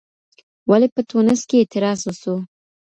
ولي په ټونس کي اعتراض وسو؟